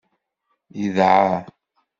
Yedɛa.